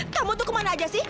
kamu tuh kemana aja sih